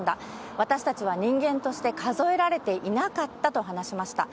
私たちは人間として数えられていなかったと話しました。